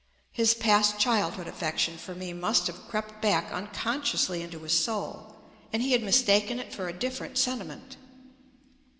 His past childhood affection for me must have crept back unconsciously into his soul and he had mistaken it for a different sen timent.